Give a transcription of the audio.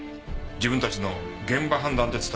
自分たちの現場判断で伝えました。